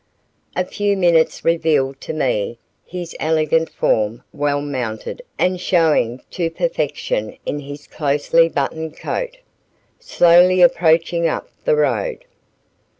A few minutes revealed to me his elegant form well mounted and showing to perfection in his closely buttoned coat, slowly approaching up the road.